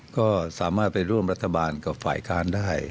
ก็สามารถไปร่วมรัฐบาลกับฝ่ายค้านได้